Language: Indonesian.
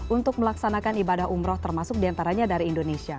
untuk melaksanakan ibadah umroh termasuk diantaranya dari indonesia